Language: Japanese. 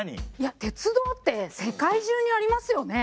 鉄道って世界中にありますよね。